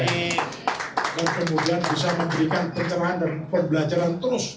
dan kemudian bisa memberikan pencerahan dan pembelajaran terus